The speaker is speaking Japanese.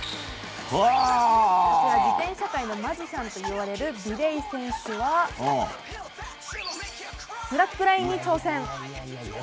こちら自転車界のマジシャンといわれるビレイ選手はスラックラインに挑戦！